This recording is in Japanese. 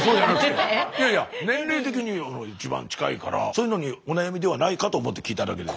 年齢的に一番近いからそういうのにお悩みではないかと思って聞いただけです。